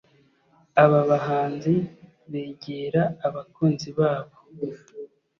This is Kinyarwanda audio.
aba bahanzi begera abakunzi babo